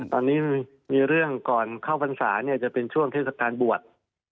ตอนนี้มีเรื่องก่อนเข้าพรรษาเนี่ยจะเป็นช่วงเทศกาลบวช